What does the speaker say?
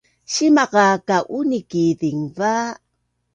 Simaq a ka’uni ki zingva?